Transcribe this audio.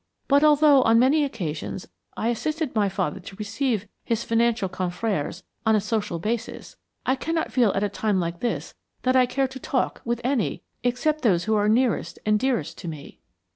But although, on many occasions, I assisted my father to receive his financial confrères on a social basis, I cannot feel at a time like this that I care to talk with any except those who are nearest and dearest to me."